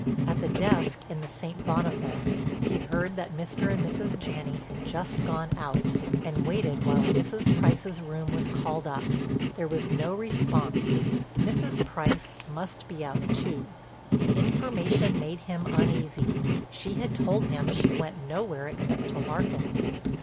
At the desk in the St. Boniface he heard that Mr. and Mrs. Janney had just gone out, and waited while Mrs. Price's room was called up. There was no response; Mrs. Price must be out too. The information made him uneasy; she had told him she went nowhere except to Larkin's.